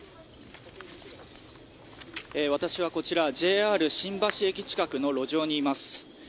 私はＪＲ新橋駅近くの路上にいます。